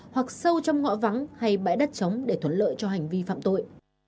hoặc sâu trong ngõ vắng hay bãi đất chống để thuận lợi cho hành vi phạm tội